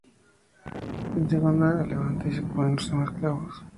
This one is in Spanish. En seguida, la levanta y se ponen los demás clavos.